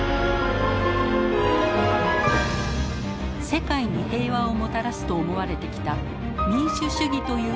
世界に平和をもたらすと思われてきた民主主義という価値観も揺らいでいます。